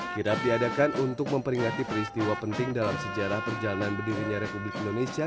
kirap diadakan untuk memperingati peristiwa penting dalam sejarah perjalanan berdirinya republik indonesia